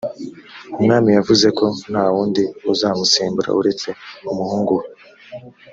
umwami yavuzeko ntawundi uzamusimbura uretse umuhungu we